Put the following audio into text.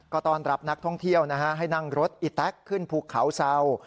ก็ต้อนรับนักท่องเที่ยวนะฮะให้นั่งรถอีแต๊กขึ้นภูเขาเศร้า